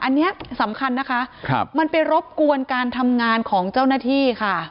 อันนี้สำคัญนะคะมันไปรบกวนการทำงานของเจ้าหน้าที่ค่ะ